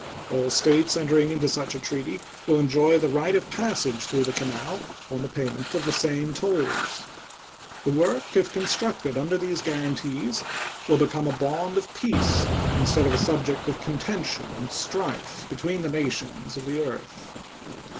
All States entering into such a treaty will enjoy the right of passage through the canal on payment of the same tolls. The work, if constructed under these guaranties, will become a bond of peace instead of a subject of contention and strife between the nations of the earth.